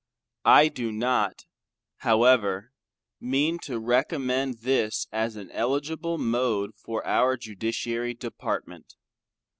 I do not however mean to recommend this as an eligible mode for our Judiciary department.